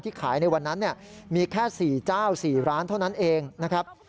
ขายในวันนั้นมีแค่๔เจ้า๔ร้านเท่านั้นเองนะครับ